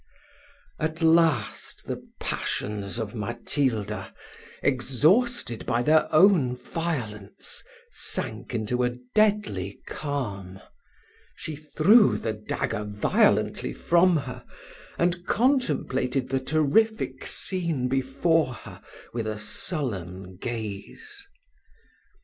At last the passions of Matilda, exhausted by their own violence, sank into a deadly calm: she threw the dagger violently from her, and contemplated the terrific scene before her with a sullen gaze.